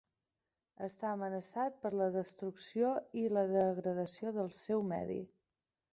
Està amenaçat per la destrucció i degradació del seu medi.